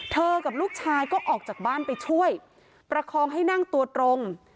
กับลูกชายก็ออกจากบ้านไปช่วยประคองให้นั่งตัวตรง